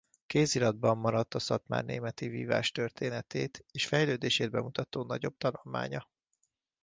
Kéziratban maradt a szatmárnémeti vívás történetét és fejlődését bemutató nagyobb tanulmánya.